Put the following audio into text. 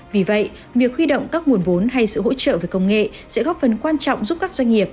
vì vậy việc huy động các nguồn vốn hay sự hỗ trợ về công nghệ sẽ góp phần quan trọng giúp các doanh nghiệp